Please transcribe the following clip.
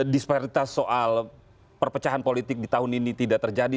disparitas soal perpecahan politik di tahun ini tidak terjadi